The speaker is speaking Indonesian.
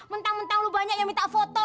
mentang mentang lu banyak yang minta foto